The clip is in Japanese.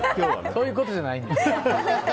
そういうことじゃないんですよ。